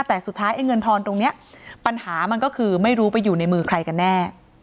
แต่สุดท้ายไอ้เงินทอนตรงนี้ปัญหามันก็คือไม่รู้ไปอยู่ในมือใครกันแน่